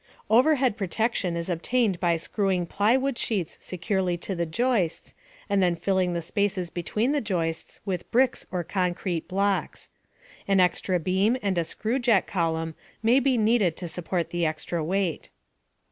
Overhead protection is obtained by screwing plywood sheets securely to the joists, and then filling the spaces between the joists with bricks or concrete blocks. An extra beam and a screwjack column may be needed to support the extra weight.